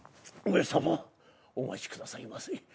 上様お待ちくださいませ。